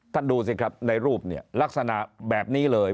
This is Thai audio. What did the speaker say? ดูสิครับในรูปเนี่ยลักษณะแบบนี้เลย